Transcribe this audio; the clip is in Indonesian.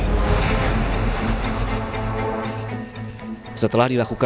kedua di mana setelah kejadian pelaku ini lari